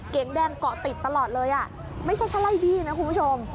แดงเกาะติดตลอดเลยอ่ะไม่ใช่แค่ไล่บี้นะคุณผู้ชม